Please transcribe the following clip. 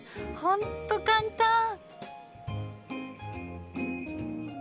ほんっと簡単。